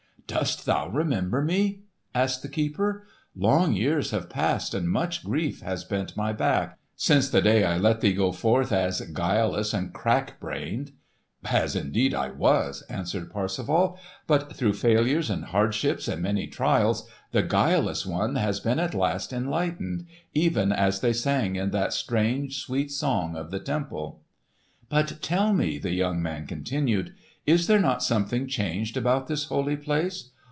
"Dost thou remember me?" asked the keeper. "Long years have passed and much grief has bent my back, since the day I let thee go forth as guileless and crack brained." "As indeed I was," answered Parsifal, "but through failures and hardships and many trials the guileless one has been at last enlightened, even as they sang in that strange sweet song of the temple. "But tell me," the young man continued, "is there not something changed about this holy place?